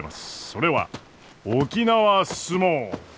それは沖縄角力！